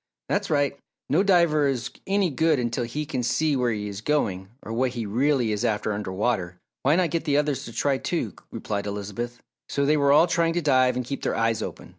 "That's right! No diver is any good until he can see where he is going or what he really is after under water. Why not get the others to try, too," replied Elizabeth. So they were all trying to dive and keep their eyes open.